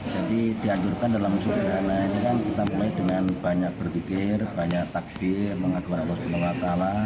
jadi diadurkan dalam syurgaanah ini kan kita mulai dengan banyak berpikir banyak takdir mengadu kepada allah swt